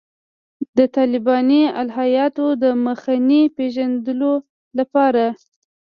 د طالباني الهیاتو د مخینې پېژندلو لپاره.